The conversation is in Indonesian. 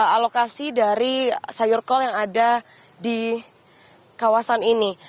alokasi dari sayur kol yang ada di kawasan ini